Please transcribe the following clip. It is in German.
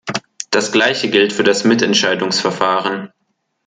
Das gleiche gilt für das Mitentscheidungsverfahren.